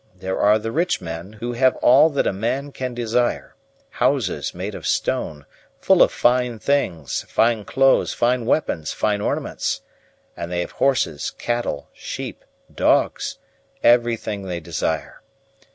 There are the rich men, who have all that a man can desire houses made of stone, full of fine things, fine clothes, fine weapons, fine ornaments; and they have horses, cattle, sheep, dogs everything they desire.